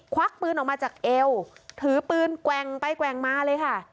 ควักปืนออกมาจากเอวถือปืนแกว่งไปแกว่งมาเลยค่ะ